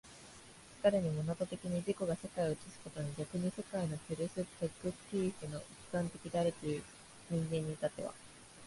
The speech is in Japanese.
然るにモナド的に自己が世界を映すことが逆に世界のペルスペクティーフの一観点であるという人間に至っては、